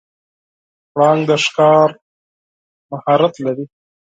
پړانګ د ښکار مهارت لري.